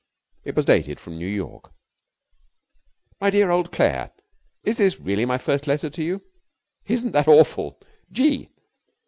It was dated from New York. MY DEAR OLD CLAIRE, Is this really my first letter to you? Isn't that awful! Gee!